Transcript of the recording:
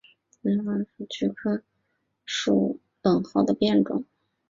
紫花冷蒿是菊科蒿属冷蒿的变种。